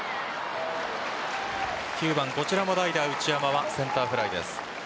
９番、こちらも代打・内山センターフライです。